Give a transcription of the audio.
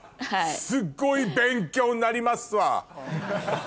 すごい勉強になりますわ。